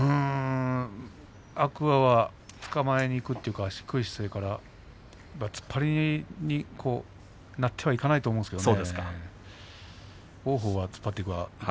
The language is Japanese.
天空海は、つかまえにいくというか低い姿勢から突っ張りになってはいけないと思うんですがね。